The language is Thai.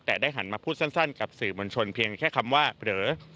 แต่ได้หันมาพูดสั้นกับสื่อมวลชนเพียงแค่คำว่าเผลอ